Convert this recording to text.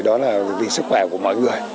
đó là vì sức khỏe của mọi người